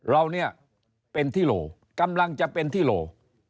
เราเนี่ยเป็นที่โหลกำลังจะเป็นที่โหล